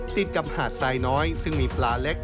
ติดกับหาดทรายน้อยซึ่งมีปลาเล็ก